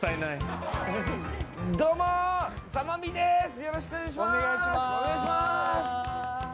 よろしくお願いします。